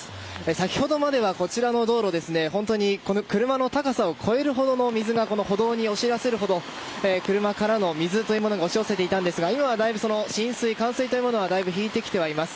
先ほどまではこちらの道路車の高さを超えるほどの水が歩道に押し寄せるほど車からの水というものが押し寄せていたんですが今は浸水冠水というものはだいぶ引いてきてはいます。